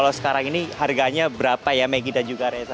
kalau sekarang ini harganya berapa ya maggie dan juga reza